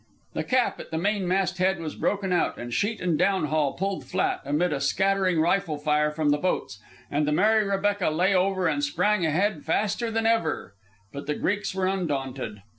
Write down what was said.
The cap at the mainmast head was broken out, and sheet and downhaul pulled flat, amid a scattering rifle fire from the boats; and the Mary Rebecca lay over and sprang ahead faster than ever. But the Greeks were undaunted.